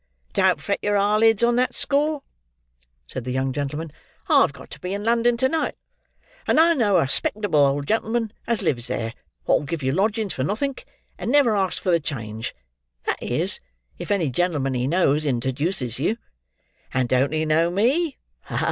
"Don't fret your eyelids on that score," said the young gentleman. "I've got to be in London to night; and I know a 'spectable old gentleman as lives there, wot'll give you lodgings for nothink, and never ask for the change—that is, if any genelman he knows interduces you. And don't he know me?